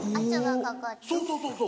そうそうそうそう。